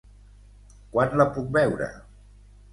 Quan la puc veure?